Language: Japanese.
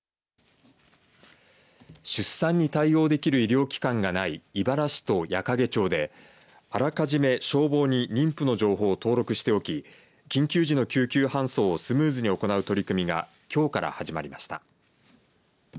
出産に対応できる医療機関がない井原市と矢掛町であらかじめ消防に妊婦の情報を登録しておき緊急時の救急搬送をスムーズに行う取り組みがきょうから始まりました。